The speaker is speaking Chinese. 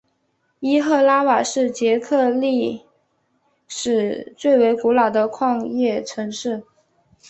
伊赫拉瓦是捷克历史最为古老的矿业城市。